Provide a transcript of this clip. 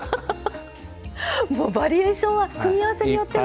バリエーションは組み合わせによっても。